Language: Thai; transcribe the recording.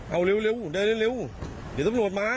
เอาเร็วเดินเร็วเดี๋ยวตัวประโยชน์มา